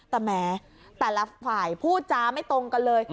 แต่แม้แต่ละฝ่ายพูดจ้าไม่ตรงกันเลย